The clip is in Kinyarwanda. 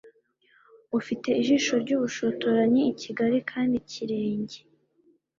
Ufite ijisho ry'ubushotoranyi ikigali kandi kirenge